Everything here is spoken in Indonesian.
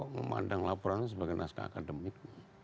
memandang laporannya sebagai naskah akademik